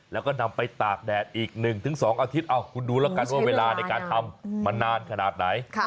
แล้วก็นำไปตากแดดอีก๑๒อาทิตย์คุณดูแล้วกันว่าเวลาในการทำมานานขนาดไหน